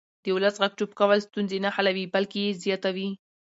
د ولس غږ چوپ کول ستونزې نه حلوي بلکې یې زیاتوي